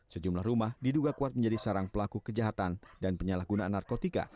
sejumlah rumah diduga kuat menjadi sarang pelaku kejahatan dan penyalahgunaan narkotika